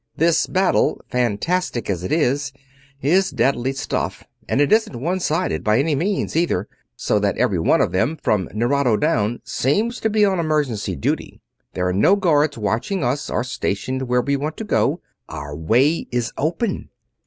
This battle, fantastic as it is, is deadly stuff, and it isn't one sided, by any means, either, so that every one of them, from Nerado down, seems to be on emergency duty. There are no guards watching us, or stationed where we want to go our way out is open.